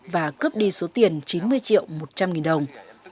và cướp đi số tiền chín mươi triệu một trăm linh nghìn đồng